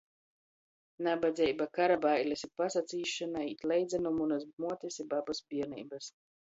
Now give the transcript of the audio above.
Nabadzeiba, kara bailis i pasacīsšona īt leidza nu munys muotis i babys bierneibys.